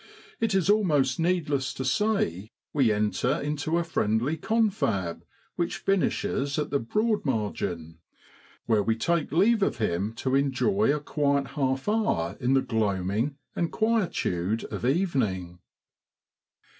It is almost needless to say we enter into a friendly confab, which finishes at the Broad margin, where we take leave of him to enjoy a quiet half hour in the gloaming and quietude of evening.